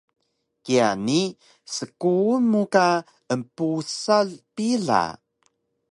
Kiya ni skuun mu ka empusal pila